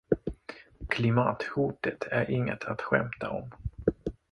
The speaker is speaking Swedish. Klimathotet är inget att skämta om.